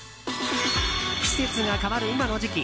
季節が変わる今の時期